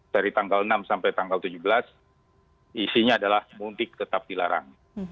dari tanggal enam sampai tanggal tujuh belas isinya adalah mudik tetap dilarang